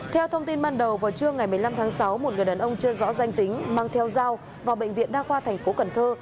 theo thông tin ban đầu vào trưa ngày một mươi năm tháng sáu một người đàn ông chưa rõ danh tính mang theo dao vào bệnh viện đa khoa thành phố cần thơ